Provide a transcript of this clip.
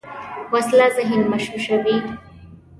وسله ذهن مشوشوي